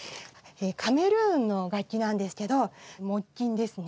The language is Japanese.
カメルーンの楽器なんですけど木琴ですね。